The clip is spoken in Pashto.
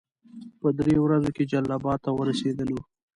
په دریو ورځو کې جلال اباد ته ورسېدلو.